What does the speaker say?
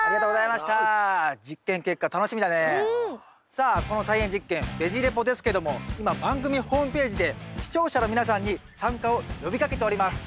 さあこの菜園実験「ベジ・レポ」ですけども今番組ホームページで視聴者の皆さんに参加を呼びかけております。